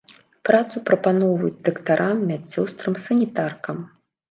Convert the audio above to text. Працу прапаноўваюць дактарам, медсёстрам, санітаркам.